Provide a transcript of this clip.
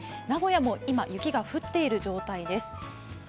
名古屋も今、雪が降っている状態です。